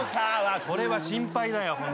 それは心配だよ